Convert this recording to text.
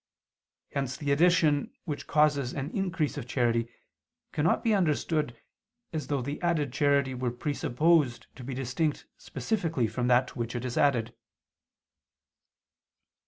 Hence the addition which causes an increase of charity cannot be understood, as though the added charity were presupposed to be distinct specifically from that to which it is added.